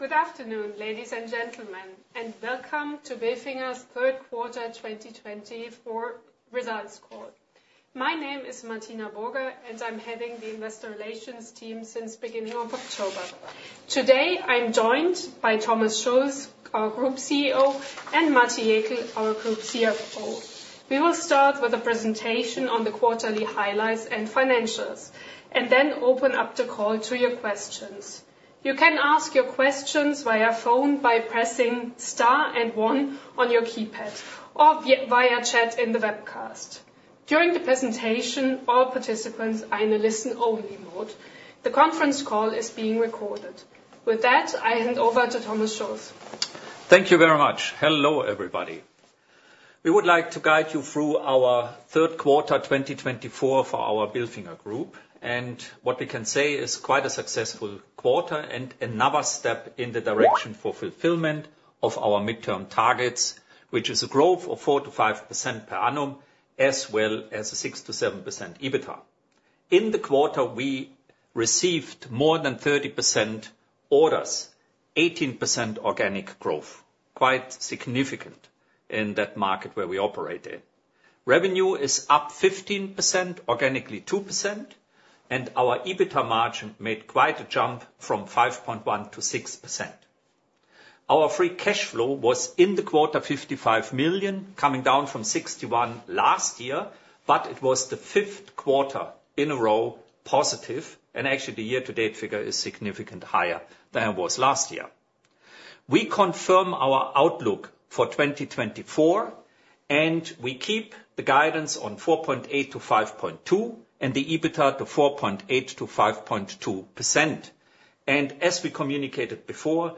Good afternoon, ladies and gentlemen, and welcome to Bilfinger's third quarter 2024 results call. My name is Bettina Schneider, and I'm heading the Investor Relations team since the beginning of October. Today, I'm joined by Thomas Schulz, our Group CEO, and Matti Jäkel, our Group CFO. We will start with a presentation on the quarterly highlights and financials, and then open up the call to your questions. You can ask your questions via phone by pressing star and one on your keypad or via chat in the webcast. During the presentation, all participants are in a listen-only mode. The conference call is being recorded. With that, I hand over to Thomas Schulz. Thank you very much. Hello, everybody. We would like to guide you through our third quarter 2024 for our Bilfinger Group, and what we can say is quite a successful quarter and another step in the direction for fulfillment of our midterm targets, which is a growth of 4%-5% per annum, as well as a 6%-7% EBITDA. In the quarter, we received more than 30% orders, 18% organic growth, quite significant in that market where we operate in. Revenue is up 15%, organically 2%, and our EBITDA margin made quite a jump from 5.1%-6%. Our free cash flow was in the quarter 55 million, coming down from €61 million last year, but it was the fifth quarter in a row positive, and actually the year-to-date figure is significantly higher than it was last year. We confirm our outlook for 2024, and we keep the guidance on 4.8%-5.2% and the EBITDA to 4.8%-5.2%. As we communicated before,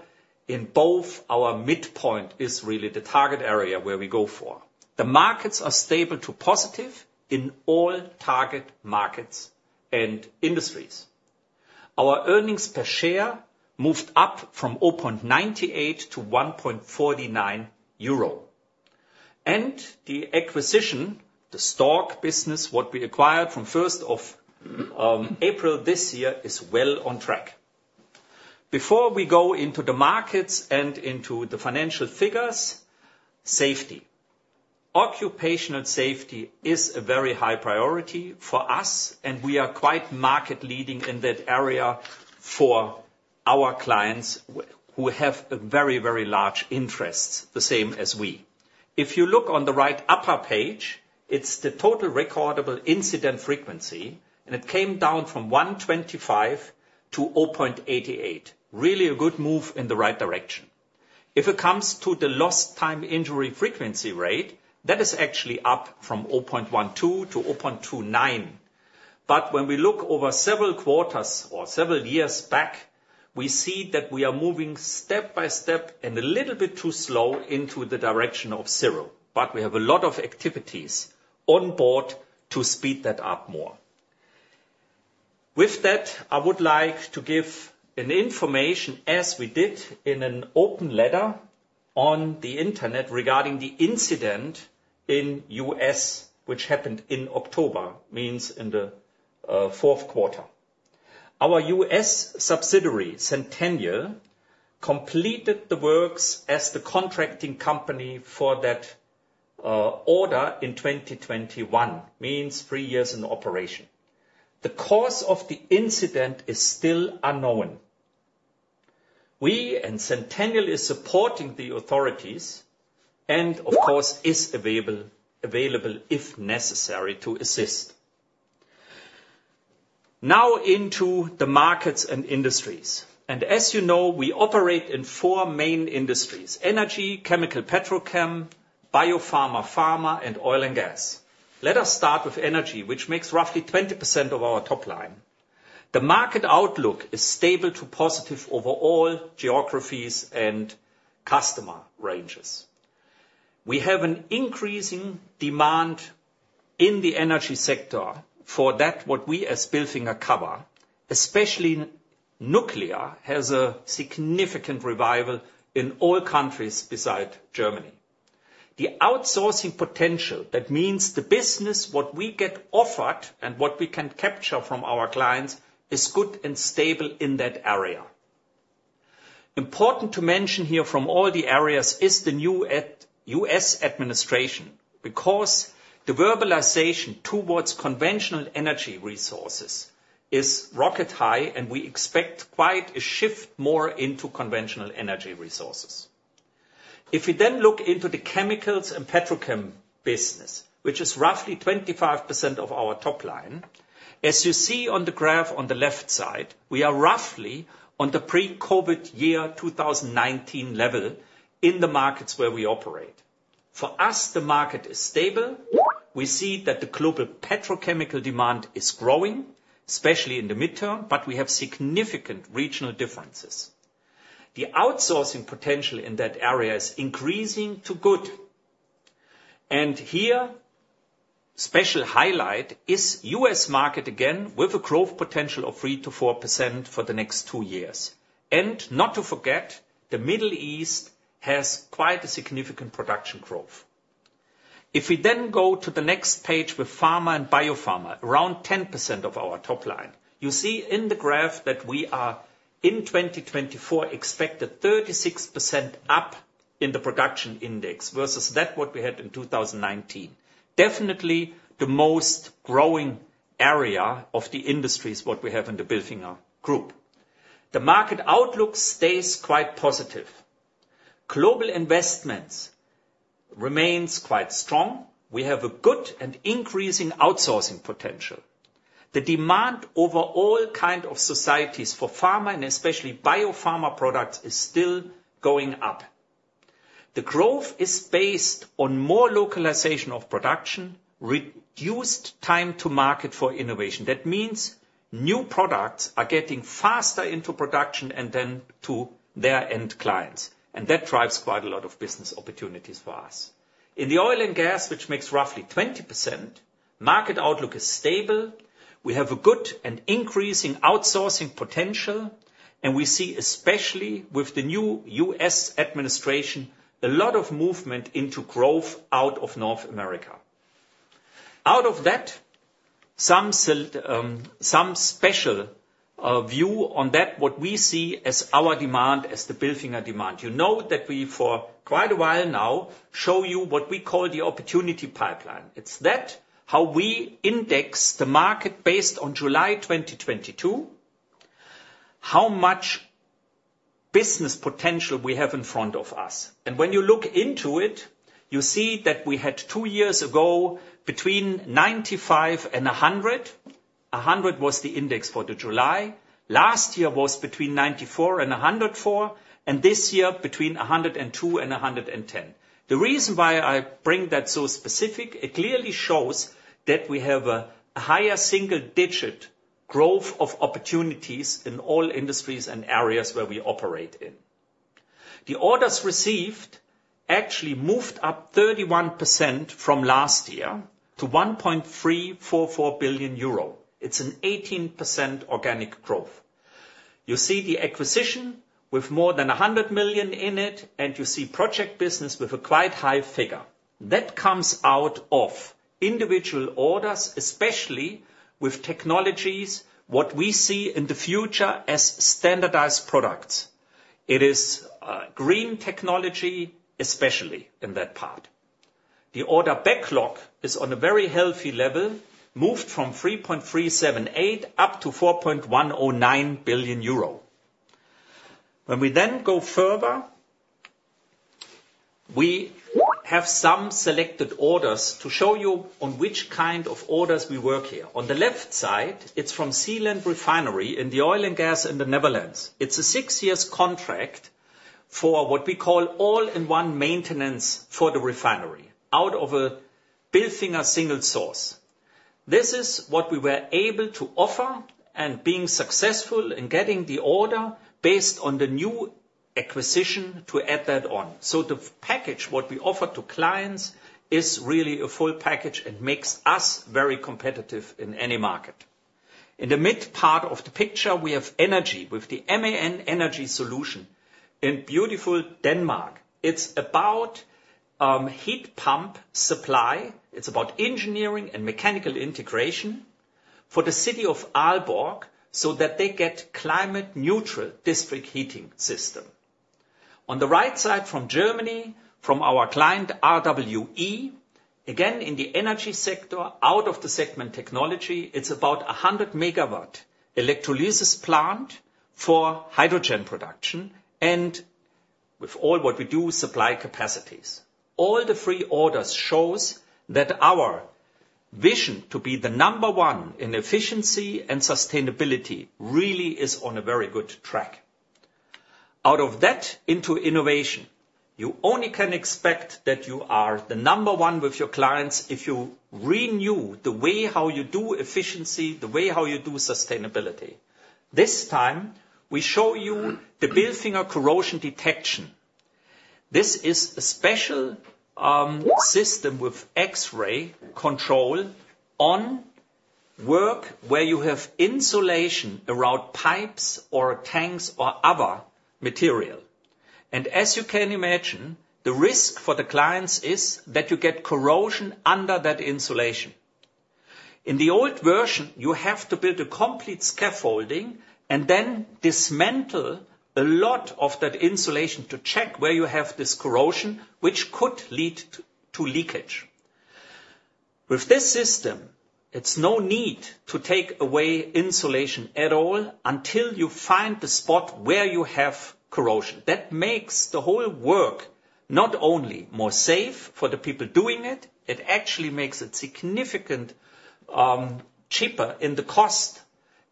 in both, our midpoint is really the target area where we go for. The markets are stable to positive in all target markets and industries. Our earnings per share moved up from 0.98 to 1.49 euro, and the acquisition, Stork, what we acquired from 1st of April this year is well on track. Before we go into the markets and into the financial figures, safety. Occupational safety is a very high priority for us, and we are quite market-leading in that area for our clients who have very, very large interests, the same as we. If you look on the right upper page, it's the total recordable incident frequency, and it came down from 1.25 to 0.88, really a good move in the right direction. If it comes to the lost time injury frequency rate, that is actually up from 0.12 to 0.29. But when we look over several quarters or several years back, we see that we are moving step by step and a little bit too slow into the direction of zero, but we have a lot of activities on board to speed that up more. With that, I would like to give information, as we did in an open letter on the internet regarding the incident in the U.S., which happened in October, means in the fourth quarter. Our U.S. subsidiary, Centennial, completed the works as the contracting company for that order in 2021, means three years in operation. The cause of the incident is still unknown. We and Centennial are supporting the authorities and, of course, are available if necessary to assist. Now into the markets and industries, and as you know, we operate in four main industries: energy, chemical petrochem, biopharma pharma, and oil and gas. Let us start with energy, which makes roughly 20% of our top line. The market outlook is stable to positive over all geographies and customer ranges. We have an increasing demand in the energy sector for that what we as Bilfinger cover, especially nuclear, has a significant revival in all countries besides Germany. The outsourcing potential, that means the business, what we get offered and what we can capture from our clients is good and stable in that area. Important to mention here from all the areas is the new U.S. administration because the verbalization towards conventional energy resources is rocket high, and we expect quite a shift more into conventional energy resources. If we then look into the chemicals and petrochem business, which is roughly 25% of our top line, as you see on the graph on the left side, we are roughly on the pre-COVID year 2019 level in the markets where we operate. For us, the market is stable. We see that the global petrochemical demand is growing, especially in the midterm, but we have significant regional differences. The outsourcing potential in that area is increasing to good. And here, special highlight is U.S. market again with a growth potential of 3%-4% for the next two years. And not to forget, the Middle East has quite a significant production growth. If we then go to the next page with pharma and biopharma, around 10% of our top line, you see in the graph that we are in 2024 expected 36% up in the production index versus that what we had in 2019. Definitely the most growing area of the industries what we have in the Bilfinger Group. The market outlook stays quite positive. Global investments remain quite strong. We have a good and increasing outsourcing potential. The demand over all kinds of societies for pharma and especially biopharma products is still going up. The growth is based on more localization of production, reduced time to market for innovation. That means new products are getting faster into production and then to their end clients. And that drives quite a lot of business opportunities for us. In the oil and gas, which makes roughly 20%, market outlook is stable. We have a good and increasing outsourcing potential, and we see especially with the new U.S. administration a lot of movement into growth out of North America. Out of that, some special view on that what we see as our demand as the Bilfinger demand. You know that we for quite a while now show you what we call the opportunity pipeline. It's that how we index the market based on July 2022, how much business potential we have in front of us, and when you look into it, you see that we had two years ago between 95 and 100. 100 was the index for July. Last year was between 94 and 104, and this year between 102 and 110. The reason why I bring that so specific, it clearly shows that we have a higher single-digit growth of opportunities in all industries and areas where we operate in. The orders received actually moved up 31% from last year to 1.344 billion euro. It's an 18% organic growth. You see the acquisition with more than 100 million in it, and you see project business with a quite high figure. That comes out of individual orders, especially with technologies what we see in the future as standardized products. It is green technology, especially in that part. The order backlog is on a very healthy level, moved from 3.378 billion up to 4.109 billion euro. When we then go further, we have some selected orders to show you on which kind of orders we work here. On the left side, it's from Zeeland Refinery in the oil and gas in the Netherlands. It's a six-year contract for what we call all-in-one maintenance for the refinery out of a Bilfinger single source. This is what we were able to offer and being successful in getting the order based on the new acquisition to add that on. So the package what we offer to clients is really a full package and makes us very competitive in any market. In the mid part of the picture, we have energy with the MAN Energy Solutions in beautiful Denmark. It's about heat pump supply. It's about engineering and mechanical integration for the city of Aalborg so that they get climate-neutral district heating system. On the right side from Germany, from our client RWE, again in the energy sector out of the segment technology, it's about 100-megawatt electrolysis plant for hydrogen production and with all what we do, supply capacities. All the three orders show that our vision to be the number one in efficiency and sustainability really is on a very good track. Out of that into innovation, you only can expect that you are the number one with your clients if you renew the way how you do efficiency, the way how you do sustainability. This time, we show you the Bilfinger Corrosion Detection. This is a special system with X-ray control on work where you have insulation around pipes or tanks or other material, and as you can imagine, the risk for the clients is that you get corrosion under that insulation. In the old version, you have to build a complete scaffolding and then dismantle a lot of that insulation to check where you have this corrosion, which could lead to leakage. With this system, it's no need to take away insulation at all until you find the spot where you have corrosion. That makes the whole work not only more safe for the people doing it, it actually makes it significantly cheaper in the cost,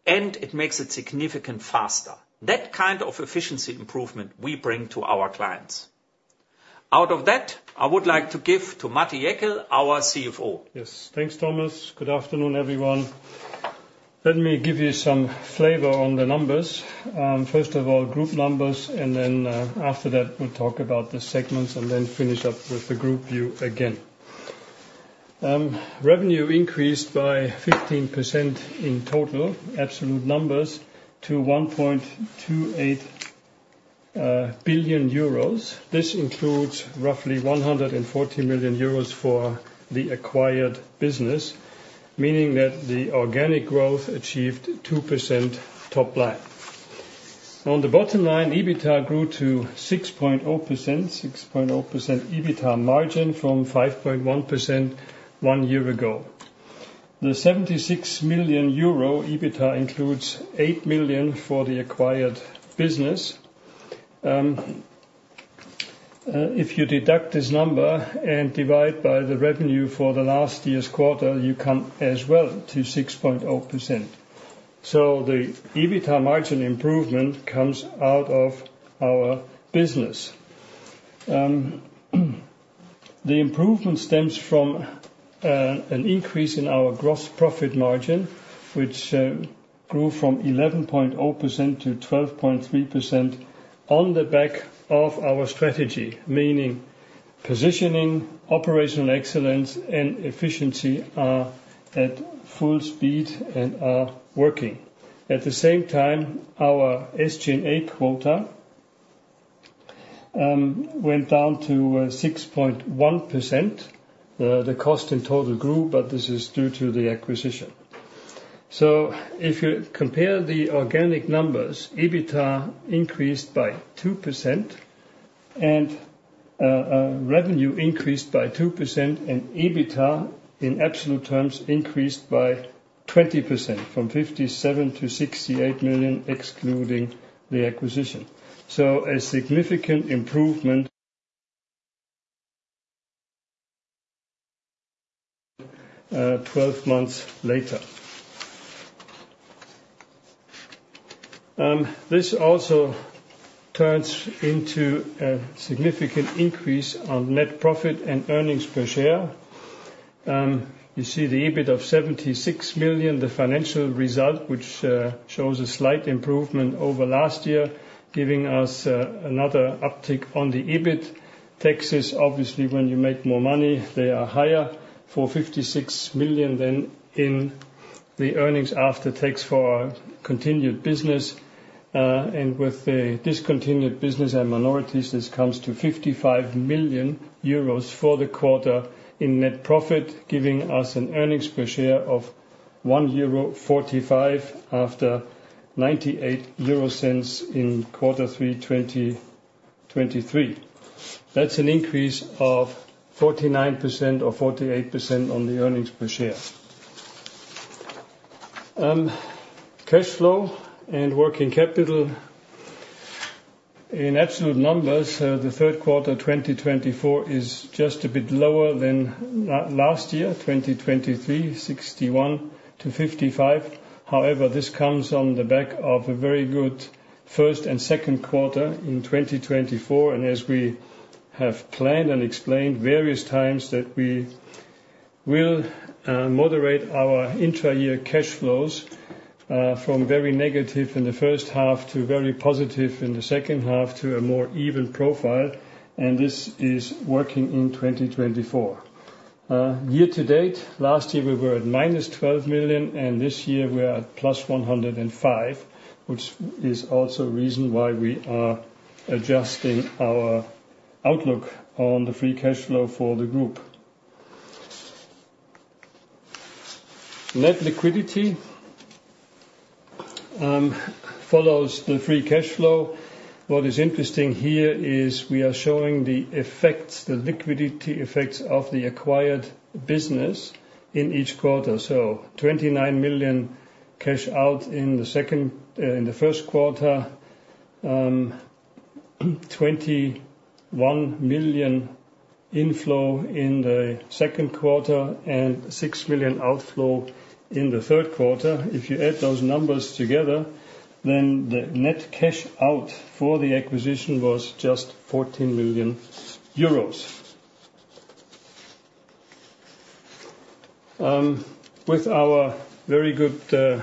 and it makes it significantly faster. That kind of efficiency improvement we bring to our clients. Out of that, I would like to give to Matti Jäkel, our CFO. Yes. Thanks, Thomas. Good afternoon, everyone. Let me give you some flavor on the numbers. First of all, group numbers, and then after that, we'll talk about the segments and then finish up with the group view again. Revenue increased by 15% in total, absolute numbers to 1.28 billion euros. This includes roughly 140 million euros for the acquired business, meaning that the organic growth achieved 2% top line. On the bottom line, EBITDA grew to 6.0%, 6.0% EBITDA margin from 5.1% one year ago. The 76 million euros EBITDA includes 8 million for the acquired business. If you deduct this number and divide by the revenue for the last year's quarter, you come as well to 6.0%. So the EBITDA margin improvement comes out of our business. The improvement stems from an increase in our gross profit margin, which grew from 11.0% to 12.3% on the back of our strategy, meaning positioning, operational excellence, and efficiency are at full speed and are working. At the same time, our SG&A quota went down to 6.1%. The cost in total grew, but this is due to the acquisition. So if you compare the organic numbers, EBITDA increased by 2% and revenue increased by 2%, and EBITDA in absolute terms increased by 20% from 57 million to 68 million excluding the acquisition. So a significant improvement 12 months later. This also turns into a significant increase on net profit and earnings per share. You see the EBIT of 76 million, the financial result, which shows a slight improvement over last year, giving us another uptick on the EBIT. Taxes, obviously, when you make more money, they are higher for 56 million than in the earnings after tax for continued business. And with the discontinued business and minorities, this comes to 55 million euros for the quarter in net profit, giving us an earnings per share of 1.45 euro after 0.98 in quarter three 2023. That's an increase of 49% or 48% on the earnings per share. Cash flow and working capital in absolute numbers, the third quarter 2024 is just a bit lower than last year, 2023, 61 million to 55 million. However, this comes on the back of a very good first and second quarter in 2024. And as we have planned and explained various times that we will moderate our intra-year cash flows from very negative in the first half to very positive in the second half to a more even profile. This is working in 2024. Year to date, last year we were at minus 12 million, and this year we are at plus 105, which is also a reason why we are adjusting our outlook on the free cash flow for the group. Net liquidity follows the free cash flow. What is interesting here is we are showing the effects, the liquidity effects of the acquired business in each quarter. 29 million cash out in the first quarter, 21 million inflow in the second quarter, and 6 million outflow in the third quarter. If you add those numbers together, then the net cash out for the acquisition was just 14 million euros. With our very good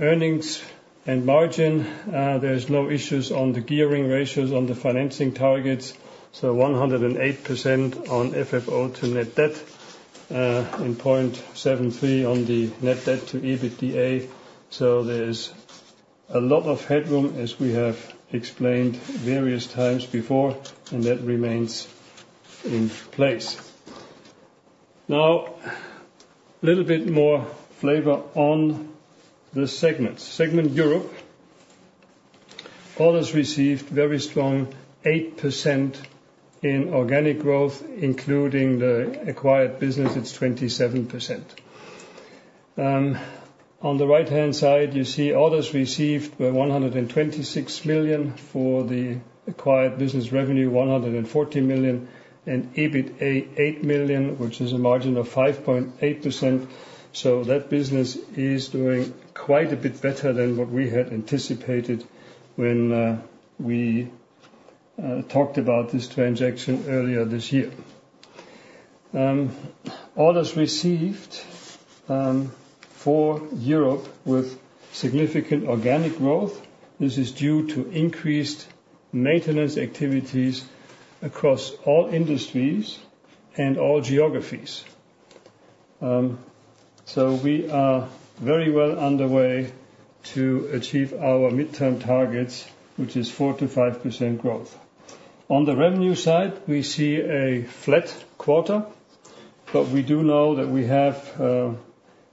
earnings and margin, there's no issues on the gearing ratios on the financing targets. 108% on FFO to net debt and 0.73 on the net debt to EBITDA. So there's a lot of headroom as we have explained various times before, and that remains in place. Now, a little bit more flavor on the segments. Segment Europe, orders received very strong 8% in organic growth, including the acquired business, it's 27%. On the right-hand side, you see orders received were 126 million for the acquired business revenue, 140 million, and EBITDA 8 million, which is a margin of 5.8%. So that business is doing quite a bit better than what we had anticipated when we talked about this transaction earlier this year. Orders received for Europe with significant organic growth. This is due to increased maintenance activities across all industries and all geographies. So we are very well underway to achieve our midterm targets, which is 4%-5% growth. On the revenue side, we see a flat quarter, but we do know that we have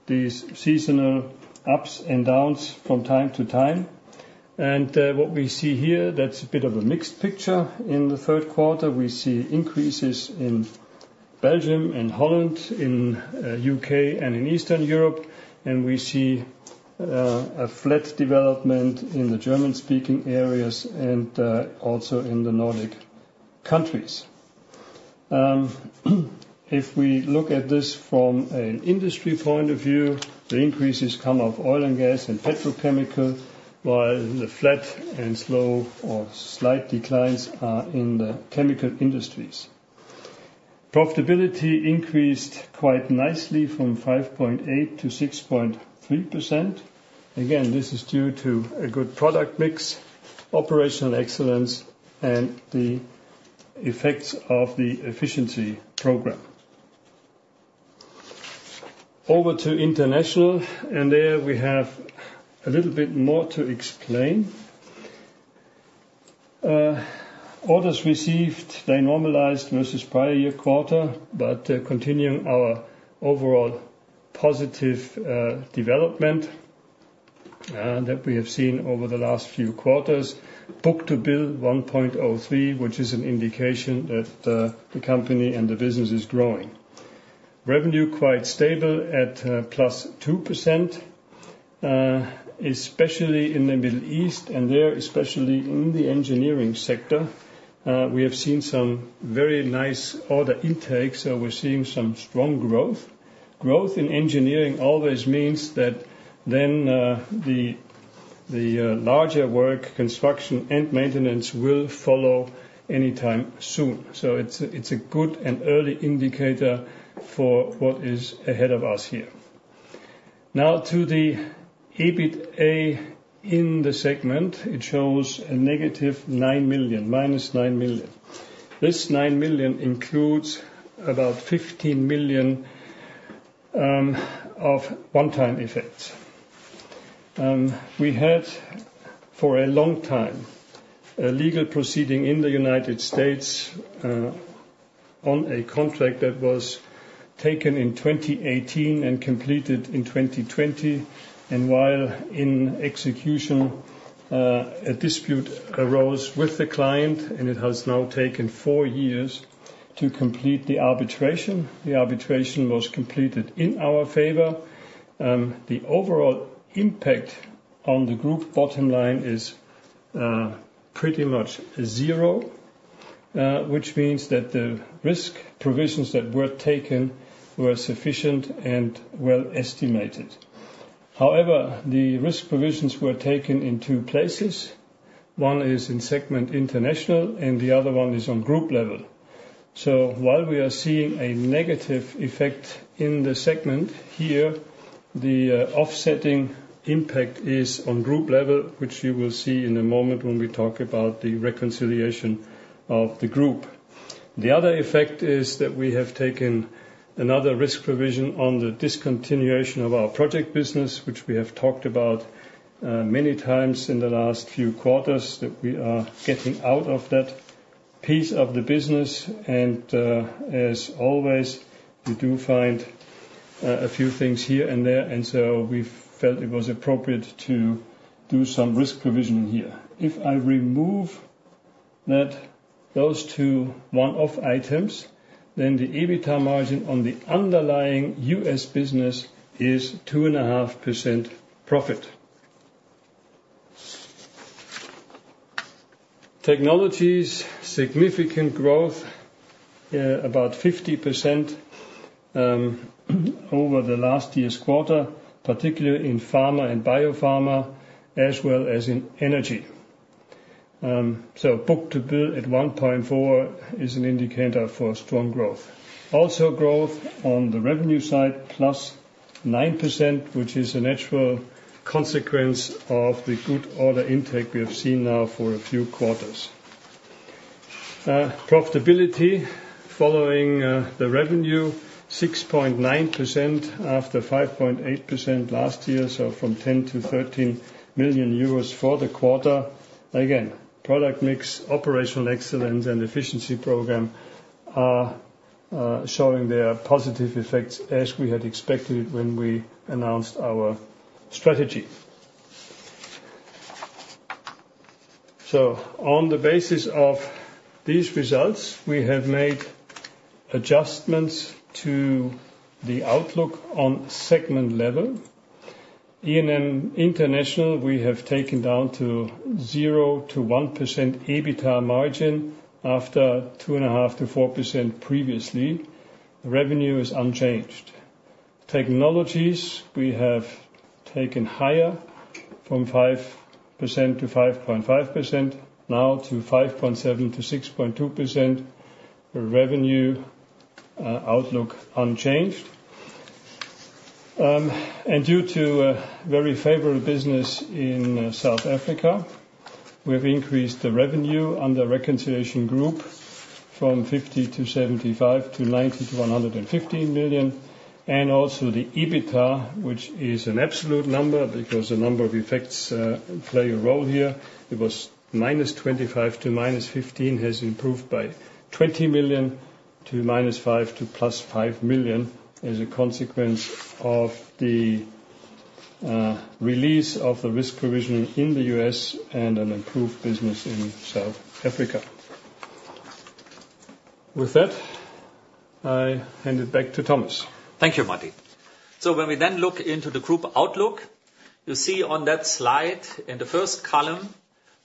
these seasonal ups and downs from time to time. What we see here is a bit of a mixed picture. In the third quarter, we see increases in Belgium and Holland, in the U.K. and in Eastern Europe, and we see a flat development in the German-speaking areas and also in the Nordic countries. If we look at this from an industry point of view, the increases come from oil and gas and petrochemical, while the flat and slow or slight declines are in the chemical industries. Profitability increased quite nicely from 5.8% to 6.3%. Again, this is due to a good product mix, operational excellence, and the effects of the efficiency program. Over to international, and there we have a little bit more to explain. Orders received, they normalized versus prior-year quarter, but continuing our overall positive development that we have seen over the last few quarters. Book-to-bill 1.03, which is an indication that the company and the business is growing. Revenue quite stable at plus 2%, especially in the Middle East and there especially in the engineering sector. We have seen some very nice order intake, so we're seeing some strong growth. Growth in engineering always means that then the larger work, construction, and maintenance will follow anytime soon. So it's a good and early indicator for what is ahead of us here. Now, to the EBITDA in the segment, it shows a negative 9 million, minus 9 million. This 9 million includes about 15 million of one-time effects. We had for a long time a legal proceeding in the United States on a contract that was taken in 2018 and completed in 2020, and while in execution, a dispute arose with the client, and it has now taken four years to complete the arbitration. The arbitration was completed in our favor. The overall impact on the group bottom line is pretty much zero, which means that the risk provisions that were taken were sufficient and well-estimated. However, the risk provisions were taken in two places. One is in segment International, and the other one is on group level. So while we are seeing a negative effect in the segment here, the offsetting impact is on group level, which you will see in a moment when we talk about the reconciliation of the group. The other effect is that we have taken another risk provision on the discontinuation of our project business, which we have talked about many times in the last few quarters, that we are getting out of that piece of the business. And as always, you do find a few things here and there, and so we felt it was appropriate to do some risk provision here. If I remove those two one-off items, then the EBITDA margin on the underlying U.S. business is 2.5% profit. Technologies, significant growth, about 50% over the last year's quarter, particularly in pharma and biopharma, as well as in energy. So book-to-bill at 1.4 is an indicator for strong growth. Also growth on the revenue side, plus 9%, which is a natural consequence of the good order intake we have seen now for a few quarters. Profitability following the revenue, 6.9% after 5.8% last year, so from 10 million-13 million euros for the quarter. Again, product mix, operational excellence, and efficiency program are showing their positive effects as we had expected it when we announced our strategy. So on the basis of these results, we have made adjustments to the outlook on segment level. E&M International, we have taken down to 0%-1% EBITDA margin after 2.5%-4% previously. Revenue is unchanged. Technologies, we have taken higher from 5%-5.5%, now to 5.7%-6.2%. Revenue outlook unchanged. And due to a very favorable business in South Africa, we have increased the revenue under reconciliation group from 50 million-75 million-EUR 90 million-EUR 115 million. Also the EBITDA, which is an absolute number because a number of effects play a role here, it was -25 million--5 million, has improved by 20 million--5 million-EUR +5 million as a consequence of the release of the risk provision in the U.S. and an improved business in South Africa. With that, I hand it back to Thomas. Thank you, Matti. So when we then look into the group outlook, you see on that slide in the first column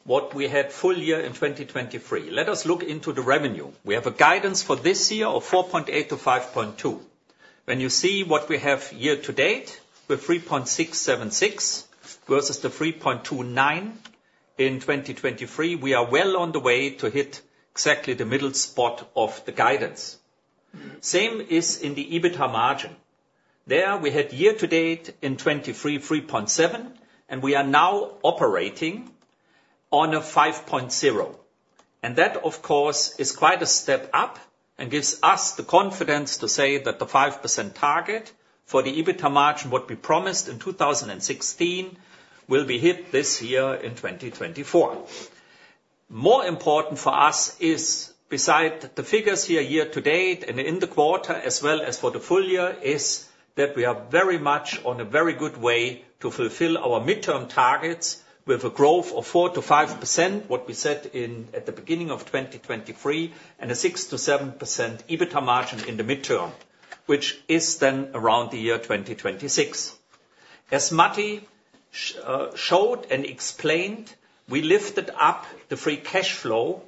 what we had full year in 2023. Let us look into the revenue. We have a guidance for this year of 4.8-5.2. When you see what we have year to date with 3.676 versus the 3.29 in 2023, we are well on the way to hit exactly the middle spot of the guidance. Same is in the EBITDA margin. There we had year to date in 2023, 3.7, and we are now operating on a 5.0. And that, of course, is quite a step up and gives us the confidence to say that the 5% target for the EBITDA margin what we promised in 2016 will be hit this year in 2024. More important for us is, beside the figures here year to date and in the quarter as well as for the full year, is that we are very much on a very good way to fulfill our midterm targets with a growth of 4%-5%, what we said at the beginning of 2023, and a 6%-7% EBITDA margin in the midterm, which is then around the year 2026. As Matti showed and explained, we lifted up the free cash flow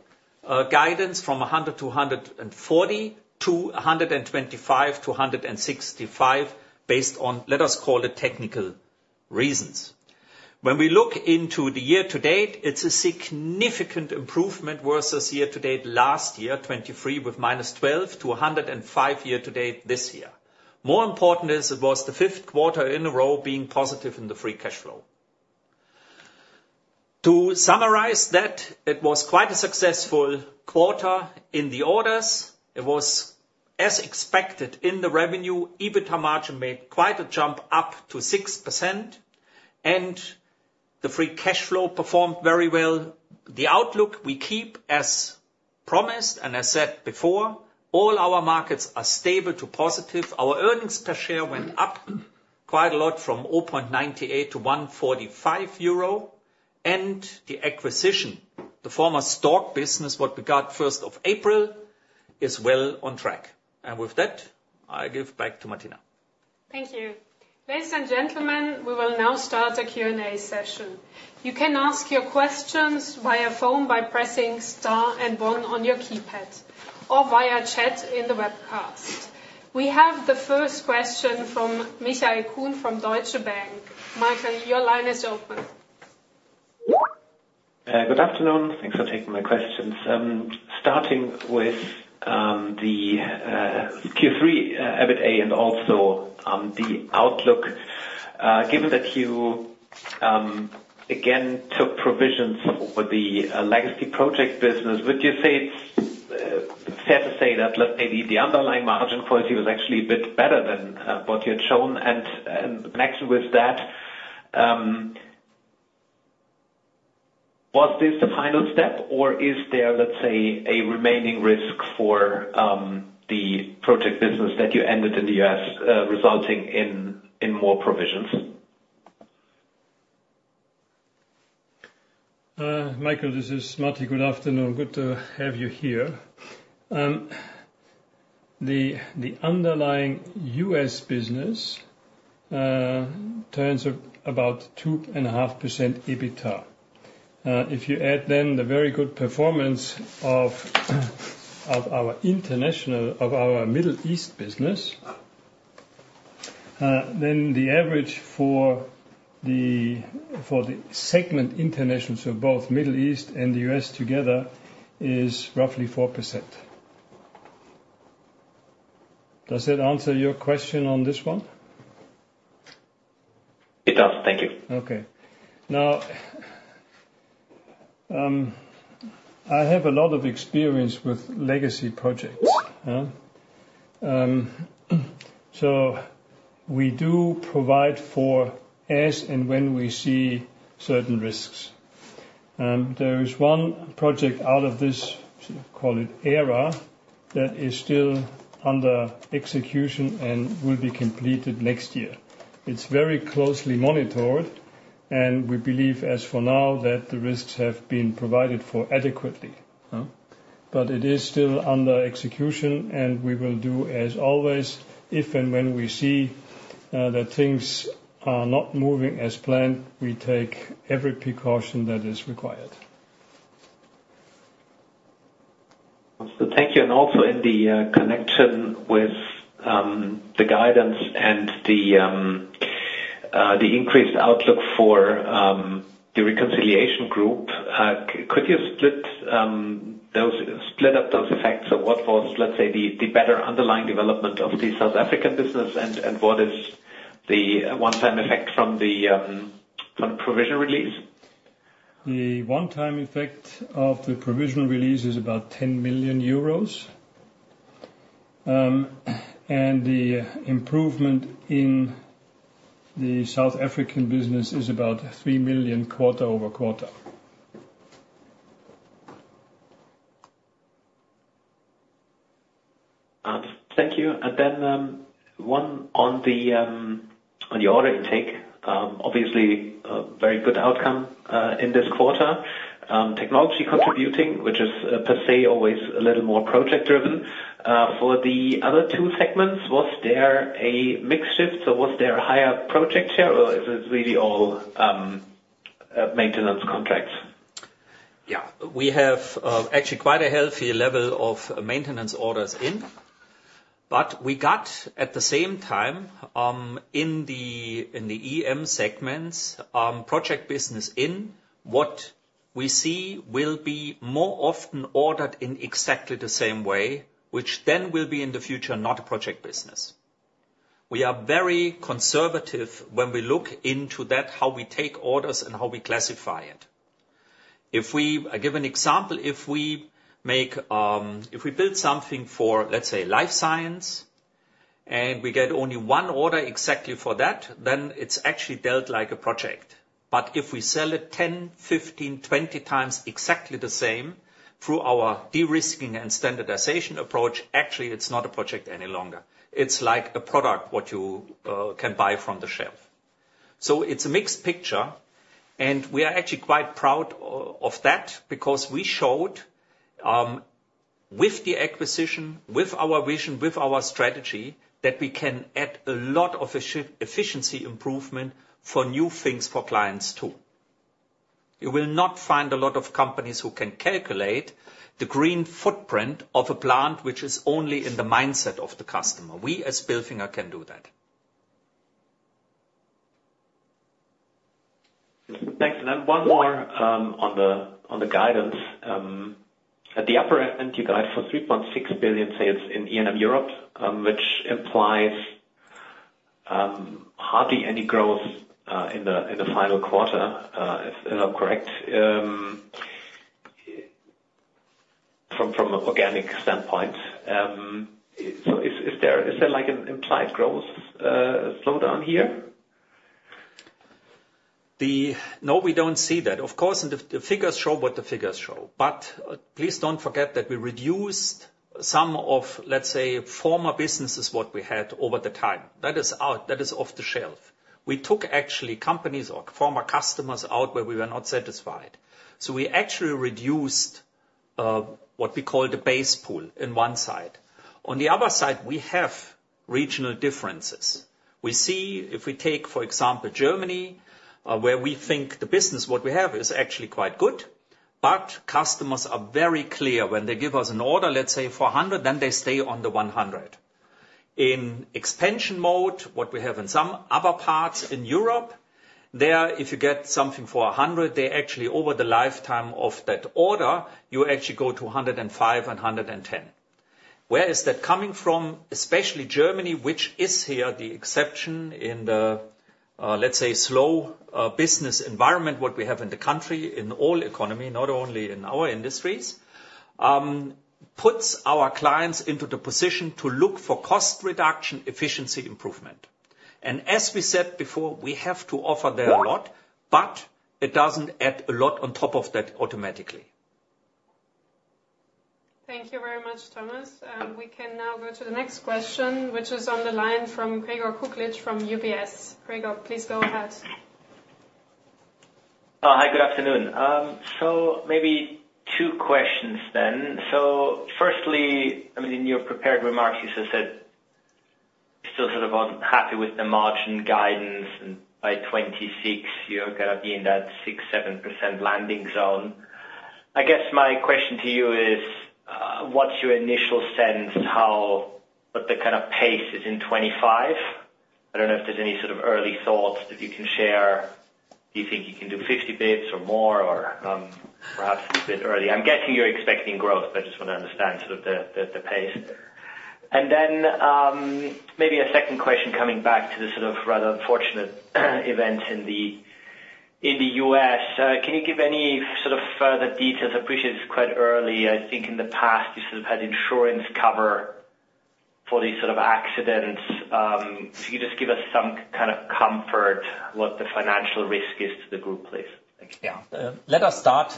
guidance from 100-140-125-165 based on, let us call it, technical reasons. When we look into the year to date, it's a significant improvement versus year to date last year, 2023, with minus 12-105 year to date this year. More important is it was the fifth quarter in a row being positive in the free cash flow. To summarize that, it was quite a successful quarter in the orders. It was as expected in the revenue. EBITDA margin made quite a jump up to 6%, and the free cash flow performed very well. The outlook we keep as promised and as said before, all our markets are stable to positive. Our earnings per share went up quite a lot from 0.98-1.45 euro, and the acquisition, the former Stork business, what we got 1st of April, is well on track. And with that, I give back to Matti. Thank you. Ladies and gentlemen, we will now start a Q&A session. You can ask your questions via phone by pressing star and one on your keypad or via chat in the webcast. We have the first question from Michael Kuhn from Deutsche Bank. Michael, your line is open. Good afternoon. Thanks for taking my questions. Starting with the Q3 EBITDA and also the outlook, given that you again took provisions for the legacy project business, would you say it's fair to say that, let's say, the underlying margin quality was actually a bit better than what you had shown? And in connection with that, was this the final step, or is there, let's say, a remaining risk for the project business that you ended in the U.S. resulting in more provisions? Michael, this is Matti. Good afternoon. Good to have you here. The underlying U.S. business turns about 2.5% EBITDA. If you add then the very good performance of our Middle East business, then the average for the segment international, so both Middle East and the U.S. together, is roughly 4%. Does that answer your question on this one? It does. Thank you. Okay. Now, I have a lot of experience with legacy projects. So we do provide for as and when we see certain risks. There is one project out of this, call it ERA, that is still under execution and will be completed next year. It's very closely monitored, and we believe, as for now, that the risks have been provided for adequately. But it is still under execution, and we will do as always. If and when we see that things are not moving as planned, we take every precaution that is required. Thank you. And also in the connection with the guidance and the increased outlook for the reconciliation group, could you split up those effects of what was, let's say, the better underlying development of the South African business and what is the one-time effect from the provision release? The one-time effect of the provision release is about 10 million euros, and the improvement in the South African business is about three million quarter over quarter. Thank you. And then one on the order intake, obviously a very good outcome in this quarter. Technology contributing, which is per se always a little more project-driven. For the other two segments, was there a mix shift? So was there a higher project share, or is it really all maintenance contracts? Yeah. We have actually quite a healthy level of maintenance orders in, but we got at the same time in the EM segments project business in what we see will be more often ordered in exactly the same way, which then will be in the future not a project business. We are very conservative when we look into that, how we take orders and how we classify it. If we give an example, if we build something for, let's say, life science, and we get only one order exactly for that, then it's actually dealt like a project. But if we sell it 10, 15, 20 times exactly the same through our de-risking and standardization approach, actually it's not a project any longer. It's like a product what you can buy from the shelf. So it's a mixed picture, and we are actually quite proud of that because we showed with the acquisition, with our vision, with our strategy that we can add a lot of efficiency improvement for new things for clients too. You will not find a lot of companies who can calculate the green footprint of a plant which is only in the mindset of the customer. We as Bilfinger can do that. Thanks. And then one more on the guidance. At the upper end, you guide for 3.6 billion sales in E&M Europe, which implies hardly any growth in the final quarter, if I'm correct, from an organic standpoint. So is there an implied growth slowdown here? No, we don't see that. Of course, the figures show what the figures show. But please don't forget that we reduced some of, let's say, former businesses what we had over the time. That is off the shelf. We took actually companies or former customers out where we were not satisfied. So we actually reduced what we call the base pool in one side. On the other side, we have regional differences. We see if we take, for example, Germany, where we think the business what we have is actually quite good, but customers are very clear when they give us an order, let's say, for 100, then they stay on the 100. In expansion mode, what we have in some other parts in Europe, there if you get something for 100, they actually over the lifetime of that order, you actually go to 105 and 110. Where is that coming from? Especially Germany, which is here the exception in the, let's say, slow business environment what we have in the country, in all economy, not only in our industries, puts our clients into the position to look for cost reduction, efficiency improvement. And as we said before, we have to offer there a lot, but it doesn't add a lot on top of that automatically. Thank you very much, Thomas. We can now go to the next question, which is on the line from Gregor Kuglitsch from UBS. Gregor, please go ahead. Hi, good afternoon. So maybe two questions then. So firstly, I mean, in your prepared remarks, you said you still sort of aren't happy with the margin guidance, and by 2026, you're going to be in that 6%-7% landing zone. I guess my question to you is, what's your initial sense of what the kind of pace is in 2025? I don't know if there's any sort of early thoughts that you can share. Do you think you can do 50 bps or more, or perhaps it's a bit early? I'm guessing you're expecting growth, but I just want to understand sort of the pace. And then maybe a second question coming back to the sort of rather unfortunate events in the U.S. Can you give any sort of further details? I appreciate it's quite early. I think in the past, you sort of had insurance cover for these sort of accidents. If you could just give us some kind of comfort what the financial risk is to the group, please. Yeah. Let us start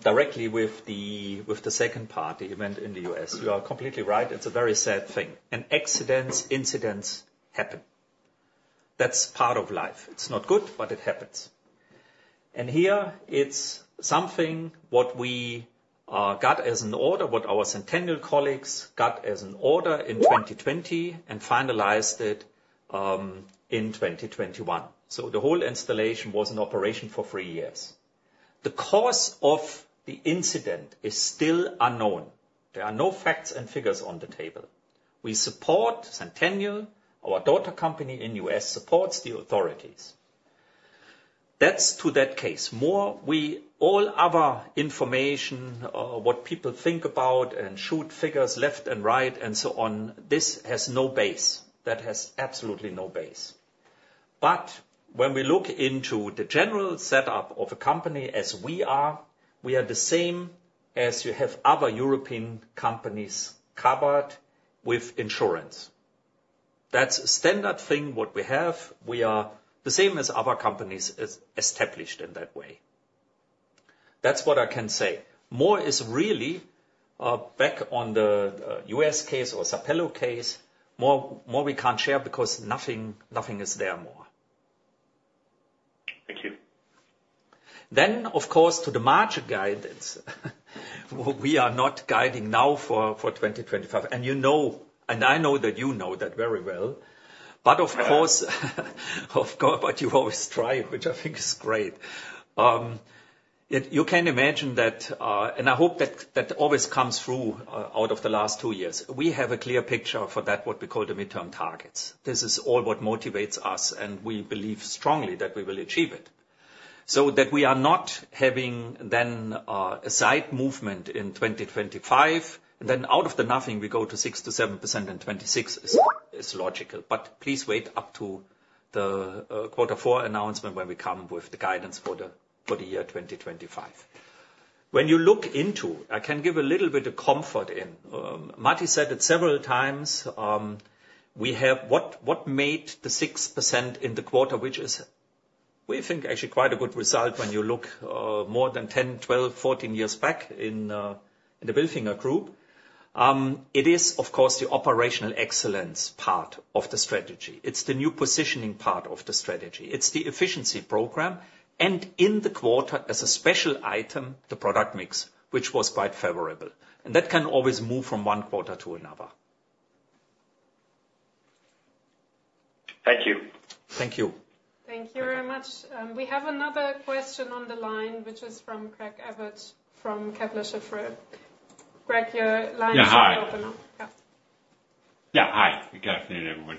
directly with the second part, the event in the U.S. You are completely right. It's a very sad thing, and accidents, incidents happen. That's part of life. It's not good, but it happens, and here it's something what we got as an order, what our Centennial colleagues got as an order in 2020 and finalized it in 2021. So the whole installation was in operation for three years. The cause of the incident is still unknown. There are no facts and figures on the table. We support Centennial. Our daughter company in the U.S. supports the authorities. That's to that case. Moreover, all other information, what people think about and shoot figures left and right and so on, this has no basis. That has absolutely no basis. But when we look into the general setup of a company as we are, we are the same as you have other European companies covered with insurance. That's a standard thing what we have. We are the same as other companies established in that way. That's what I can say. More is really back on the U.S. case or Sapelo case. More we can't share because nothing is there more. Thank you. Then, of course, to the margin guidance, we are not guiding now for 2025. And I know that you know that very well. But of course, what you've always tried, which I think is great. You can imagine that, and I hope that always comes through out of the last two years. We have a clear picture for that, what we call the midterm targets. This is all what motivates us, and we believe strongly that we will achieve it. So that we are not having then a side movement in 2025, and then out of the nothing, we go to 6%-7% in 2026 is logical. But please wait up to the quarter four announcement when we come with the guidance for the year 2025. When you look into, I can give a little bit of comfort in. Matti said it several times. We have what made the 6% in the quarter, which is, we think, actually quite a good result when you look more than 10, 12, 14 years back in the Bilfinger group. It is, of course, the operational excellence part of the strategy. It's the new positioning part of the strategy. It's the efficiency program. And in the quarter, as a special item, the product mix, which was quite favorable. And that can always move from one quarter to another. Thank you. Thank you. Thank you very much. We have another question on the line, which is from Craig Abbott from Kepler Cheuvreux. Greg, your line is going to open up. Yeah. Yeah. Hi. Good afternoon, everyone.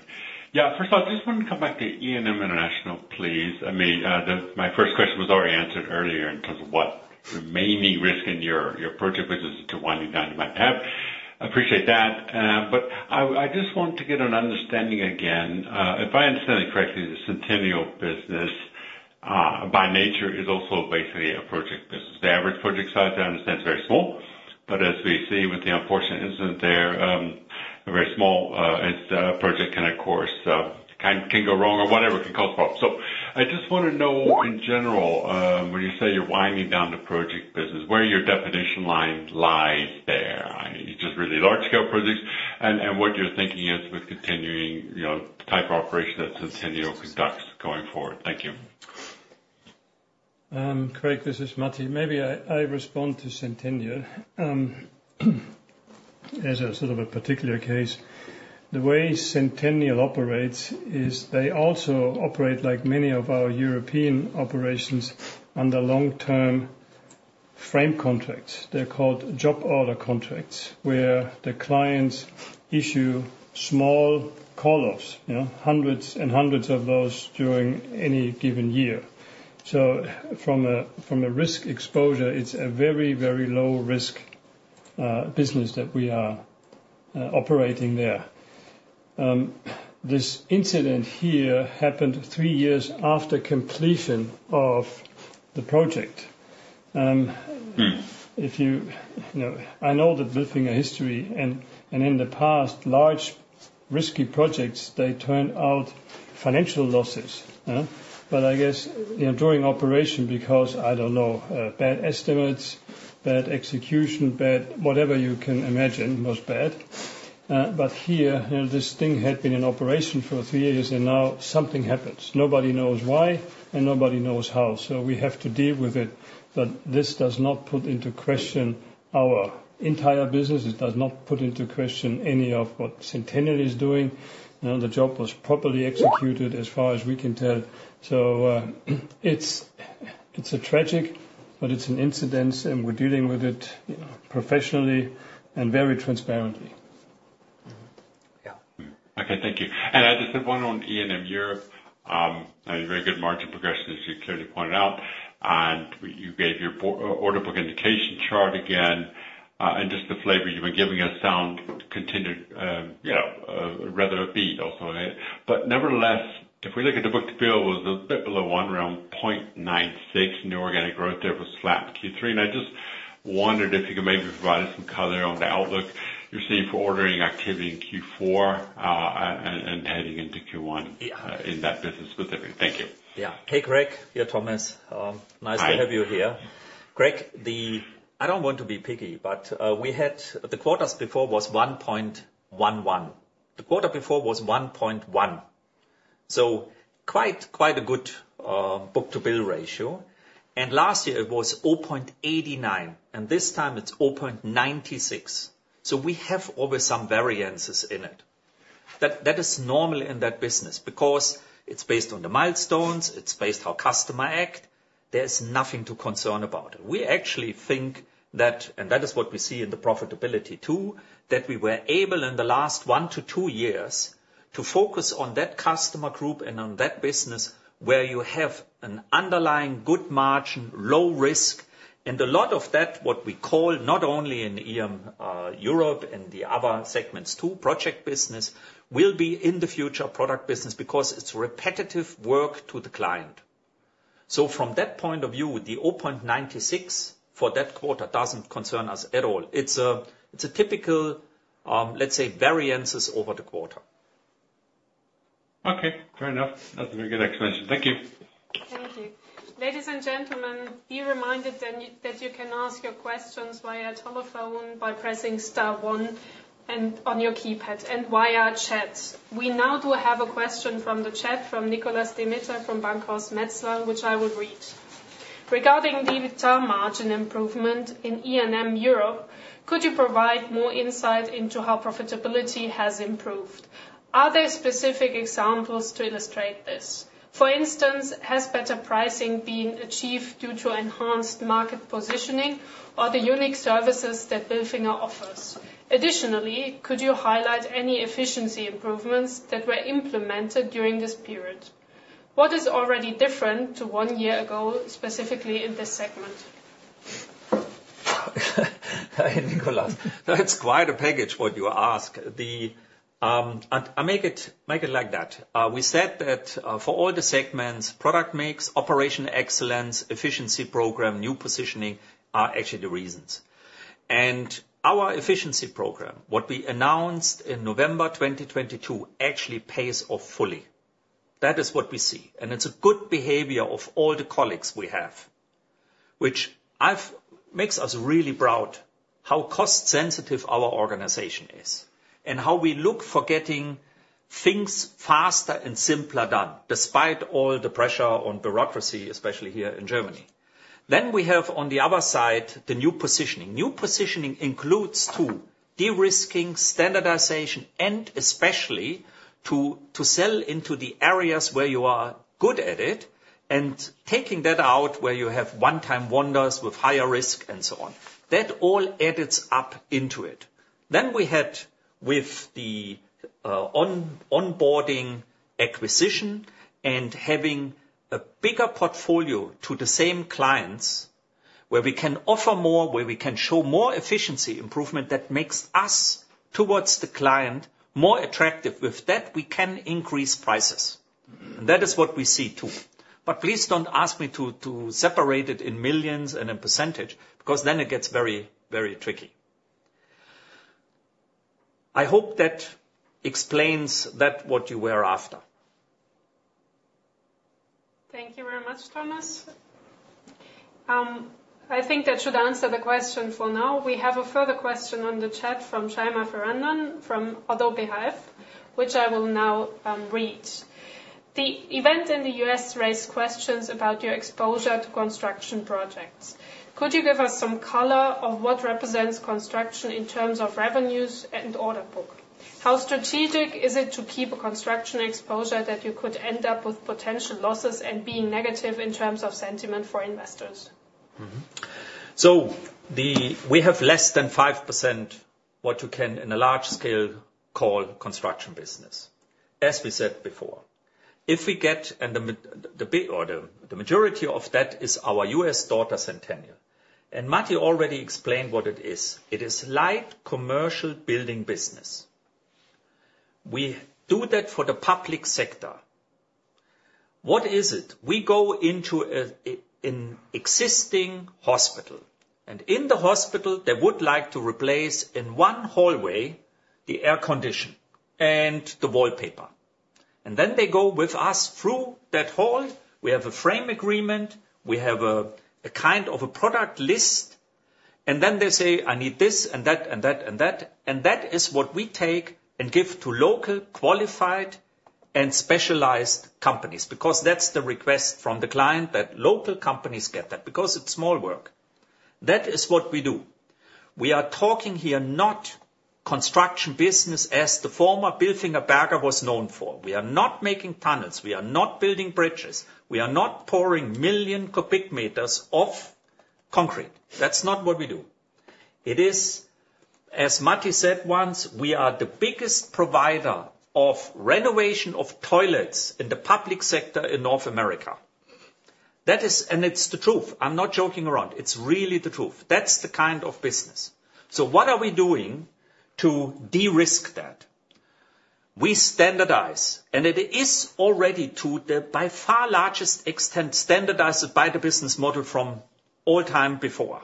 Yeah. First of all, I just want to come back to E&M International, please. I mean, my first question was already answered earlier in terms of what remaining risk in your project business to winding down you might have. I appreciate that. But I just want to get an understanding again. If I understand it correctly, the Centennial business by nature is also basically a project business. The average project size, I understand, is very small. But as we see with the unfortunate incident there, a very small project can, of course, go wrong or whatever can cause problems. So I just want to know in general, when you say you're winding down the project business, where your definition line lies there. You just really large-scale projects and what you're thinking is with continuing type of operation that Centennial conducts going forward. Thank you. Craig, this is Matti. Maybe I respond to Centennial as a sort of a particular case. The way Centennial operates is they also operate like many of our European operations under long-term frame contracts. They're called job order contracts where the clients issue small call-offs, hundreds and hundreds of those during any given year. So from a risk exposure, it's a very, very low-risk business that we are operating there. This incident here happened three years after completion of the project. I know that Bilfinger history and in the past, large risky projects, they turned out financial losses. But I guess during operation, because, I don't know, bad estimates, bad execution, bad whatever you can imagine was bad. But here, this thing had been in operation for three years, and now something happens. Nobody knows why, and nobody knows how. So we have to deal with it. But this does not put into question our entire business. It does not put into question any of what Centennial is doing. The job was properly executed as far as we can tell. So it's a tragic, but it's an incident, and we're dealing with it professionally and very transparently. Yeah. Okay. Thank you. And I just have one on E&M Europe. Very good margin progression, as you clearly pointed out. And you gave your order book indication chart again. And just the flavor you've been giving us sounds like continued rather than abating also. But nevertheless, if we look at the book-to-bill, it was a bit below one, around 0.96. Net organic growth there was flat in Q3. And I just wondered if you could maybe provide us some color on the outlook you're seeing for ordering activity in Q4 and heading into Q1 in that business specifically. Thank you. Yeah. Hey, Greg. Yeah, Thomas. Nice to have you here. Greg, I don't want to be picky, but the quarters before was 1.11. The quarter before was 1.1. So quite a good book-to-bill ratio. And last year, it was 0.89. And this time, it's 0.96. So we have always some variances in it. That is normal in that business because it's based on the milestones. It's based on how customers act. There's nothing to concern about. We actually think that, and that is what we see in the profitability too, that we were able in the last one to two years to focus on that customer group and on that business where you have an underlying good margin, low risk. A lot of that, what we call not only in E&M Europe and the other segments too, project business will be in the future product business because it's repetitive work to the client. So from that point of view, the 0.96 for that quarter doesn't concern us at all. It's a typical, let's say, variances over the quarter. Okay. Fair enough. That's a very good explanation. Thank you. Thank you. Ladies and gentlemen, be reminded that you can ask your questions via telephone by pressing star one on your keypad and via chat. We now do have a question from the chat from Niklas Ditter from Bankhaus Metzler, which I will read. Regarding the return margin improvement in E&M Europe, could you provide more insight into how profitability has improved? Are there specific examples to illustrate this? For instance, has better pricing been achieved due to enhanced market positioning or the unique services that Bilfinger offers? Additionally, could you highlight any efficiency improvements that were implemented during this period? What is already different to one year ago, specifically in this segment? Hi, Niklas. That's quite a package, what you ask. I'll make it like that. We said that for all the segments, product mix, operational excellence, efficiency program, new positioning are actually the reasons, and our efficiency program, what we announced in November 2022, actually pays off fully. That is what we see. It's a good behavior of all the colleagues we have, which makes us really proud how cost-sensitive our organization is and how we look for getting things faster and simpler done despite all the pressure on bureaucracy, especially here in Germany. We have, on the other side, the new positioning. New positioning includes too de-risking, standardization, and especially to sell into the areas where you are good at it and taking that out where you have one-time wonders with higher risk and so on. That all adds up into it. Then we had, with the onboarding acquisition and having a bigger portfolio to the same clients where we can offer more, where we can show more efficiency improvement that makes us towards the client more attractive. With that, we can increase prices. And that is what we see too. But please don't ask me to separate it in millions and in percentage because then it gets very, very tricky. I hope that explains that what you were after. Thank you very much, Thomas. I think that should answer the question for now. We have a further question on the chat from Chaima Ferrandon from ODDO BHF, which I will now read. The event in the U.S. raised questions about your exposure to construction projects. Could you give us some color of what represents construction in terms of revenues and order book? How strategic is it to keep a construction exposure that you could end up with potential losses and being negative in terms of sentiment for investors? We have less than 5% what you can in a large-scale civil construction business, as we said before. If we get and the majority of that is our U.S. daughter Centennial. Matti already explained what it is. It is light commercial building business. We do that for the public sector. What is it? We go into an existing hospital. In the hospital, they would like to replace in one hallway the air conditioning and the wallpaper. Then they go with us through that hall. We have a frame agreement. We have a kind of a product list. Then they say, "I need this and that and that and that." That is what we take and give to local qualified and specialized companies because that's the request from the client that local companies get that because it's small work. That is what we do. We are talking here not construction business as the former Bilfinger Berger was known for. We are not making tunnels. We are not building bridges. We are not pouring million cubic meters of concrete. That's not what we do. It is, as Matti said once, we are the biggest provider of renovation of toilets in the public sector in North America, and it's the truth. I'm not joking around. It's really the truth. That's the kind of business. So what are we doing to de-risk that? We standardize, and it is already to the by far largest extent standardized by the business model from all time before.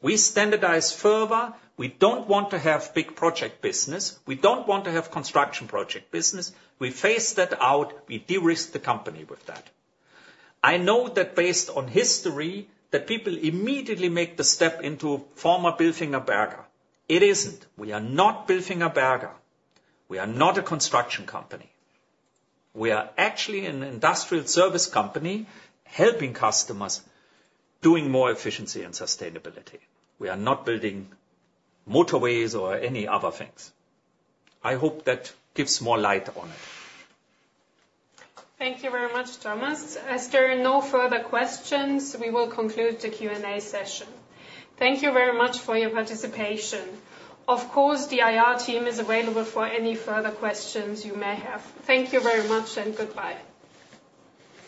We standardize further. We don't want to have big project business. We don't want to have construction project business. We phase that out. We de-risk the company with that. I know that based on history, that people immediately make the step into former Bilfinger Berger. It isn't. We are not Bilfinger Berger. We are not a construction company. We are actually an industrial service company helping customers doing more efficiency and sustainability. We are not building motorways or any other things. I hope that gives more light on it. Thank you very much, Thomas. As there are no further questions, we will conclude the Q&A session. Thank you very much for your participation. Of course, the IR team is available for any further questions you may have. Thank you very much and goodbye.